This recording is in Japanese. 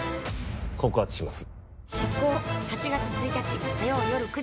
告発します。